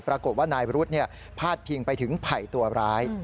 ปรากฏว่านายบรุษพาดพิงไปถึงไผ่ตัวร้าย